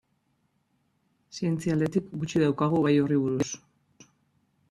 Zientzia aldetik gutxi daukagu gai horri buruz.